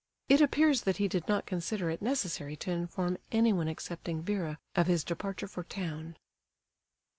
It appears that he did not consider it necessary to inform anyone excepting Vera of his departure for town.